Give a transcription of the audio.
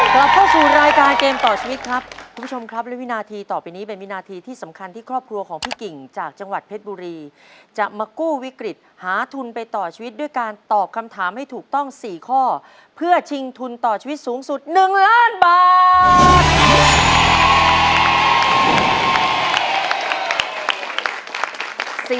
กลับเข้าสู่รายการเกมต่อชีวิตครับคุณผู้ชมครับและวินาทีต่อไปนี้เป็นวินาทีที่สำคัญที่ครอบครัวของพี่กิ่งจากจังหวัดเพชรบุรีจะมากู้วิกฤตหาทุนไปต่อชีวิตด้วยการตอบคำถามให้ถูกต้อง๔ข้อเพื่อชิงทุนต่อชีวิตสูงสุด๑ล้านบาท